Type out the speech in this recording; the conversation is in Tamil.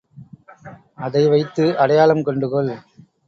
அதை வைத்து அடையாளம் கண்டு கொள்.